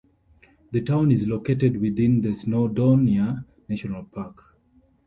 The town is located within the Snowdonia National Park.